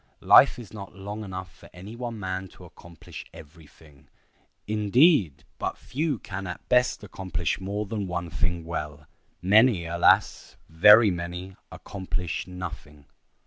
Life is not long enough for any one man to accomplish every thing. Indeed, but few can at best accomplish more than one thing well. Many—alas! very many—accomplish nothing.